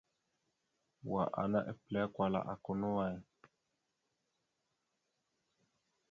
Wa ana epəlé kwala aka no way.